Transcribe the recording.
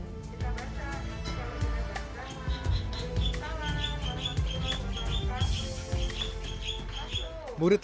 kita baca kita berikan tangan salam warahmatullah selamat pagi masuk